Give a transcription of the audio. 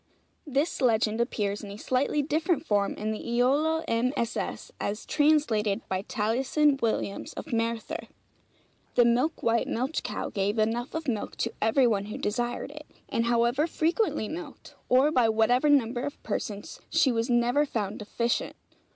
This legend appears, in a slightly different form, in the 'Iolo MSS.,' as translated by Taliesin Williams, of Merthyr: 'The milk white milch cow gave enough of milk to every one who desired it; and however frequently milked, or by whatever number of persons, she was never found deficient.